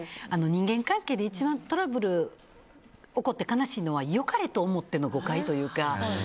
人間関係で一番トラブル起こって悲しいのは、良かれと思っての誤解というか。